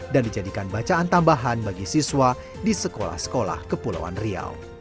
dan dijadikan bacaan tambahan bagi siswa di sekolah sekolah kepulauan riau